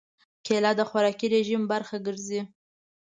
کېله د خوراکي رژیم برخه ګرځي.